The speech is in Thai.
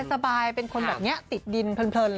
สบายเป็นคนแบบนี้ติดดินเพลินเลย